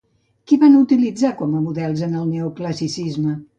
Què van utilitzar com a models en el neoclassicisme?